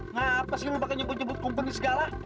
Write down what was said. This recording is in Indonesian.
ngapasih lo pake nyebut nyebut company segala